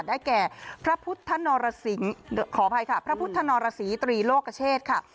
ได้แก่พระพุทธนรสิงขออภัยค่ะพระพุทธนรสีตรีโลกเชษค่ะ